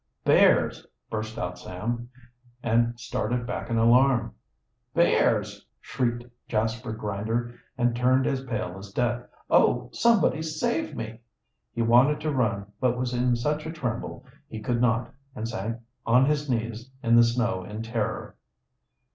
"Bears!" burst out Sam, and started back in alarm. "Bears!" shrieked Jasper Grinder, and turned as pale as death. "Oh, somebody save me!" He wanted to run, but he was in such a tremble he could not, and sank on his knees in the snow in terror.